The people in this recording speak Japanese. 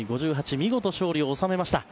見事、勝利を収めました。